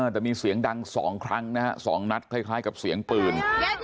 แต่มีเสียงดัง๒ครั้งนะฮะ๒นัดคล้ายกับเสียงปืน